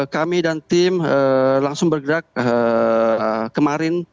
kami dan tim langsung bergerak kemarin